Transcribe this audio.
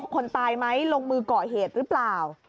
คนตายไหมลงมือก่อเหตุหรือเปล่า